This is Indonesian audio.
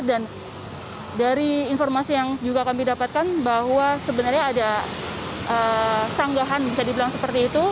dan dari informasi yang juga kami dapatkan bahwa sebenarnya ada sanggahan bisa dibilang seperti itu